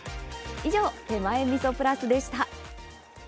以上「手前みそプラス」でした。